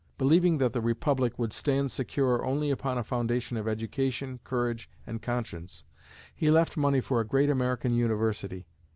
Believing that the Republic would stand secure only upon a foundation of education, courage and conscience, he left money for a great American University.